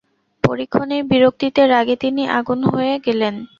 পরীক্ষণেই বিরক্তিতে, রাগে তিনি আগুন হয়ে গেলেন।